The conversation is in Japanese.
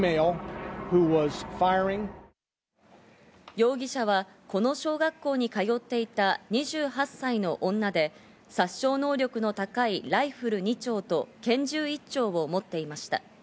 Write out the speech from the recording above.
容疑者はこの小学校に通っていた２８歳の女で、殺傷能力の高いライフル２丁と拳銃１丁を持っていました。